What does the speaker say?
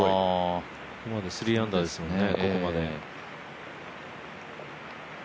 ここまで３アンダーですもんね。